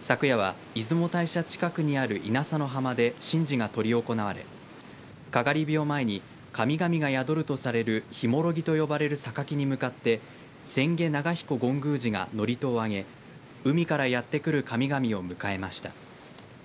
昨夜は、出雲大社近くにある稲佐の浜で神事が執り行われかがり火を前に神々が宿るとされる神籬と呼ばれるさかきに向かって千家隆比古権宮司が祝詞を上げ海からやってくる神々を迎えました。